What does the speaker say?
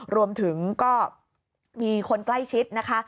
รวมถึงก็มีคนใกล้ชิดนะคะ